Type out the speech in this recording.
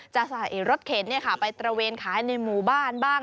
จะใส่รถเข็นไปตระเวนขายในหมู่บ้านบ้าง